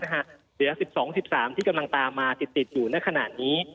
เหลือ๑๒๑๓ที่กำลังตามมาติดอยู่ในขณะนี้